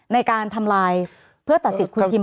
ในการทำลายเพื่อตัดสิทธิ์คุณทิมไปเลยค่ะ